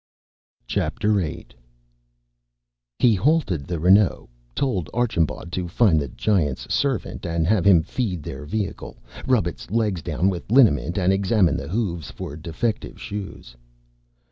VIII He halted the Renault, told Archambaud to find the Giant's servant and have him feed their vehicle, rub its legs down with liniment, and examine the hooves for defective shoes.